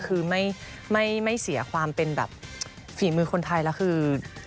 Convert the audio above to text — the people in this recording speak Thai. คือไม่เสียความเป็นแบบฝีมือคนไทยแล้วคือ